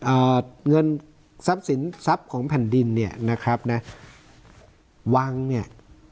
เอ่อเงินทรัพย์สินทรัพย์ของแผ่นดินเนี่ยนะครับนะวังเนี่ย